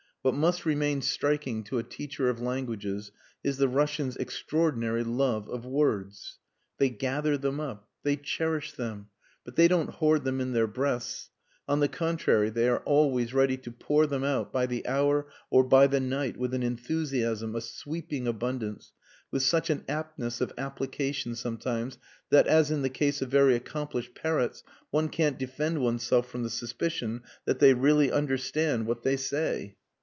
What must remain striking to a teacher of languages is the Russians' extraordinary love of words. They gather them up; they cherish them, but they don't hoard them in their breasts; on the contrary, they are always ready to pour them out by the hour or by the night with an enthusiasm, a sweeping abundance, with such an aptness of application sometimes that, as in the case of very accomplished parrots, one can't defend oneself from the suspicion that they really understand what they say.